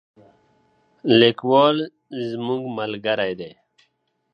لیکوال زموږ ملګری دی.